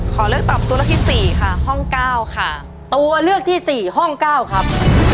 ขอเลือกตอบตัวเลือกที่๔ค่ะห้อง๙ค่ะตัวเลือกที่๔ห้อง๙ครับ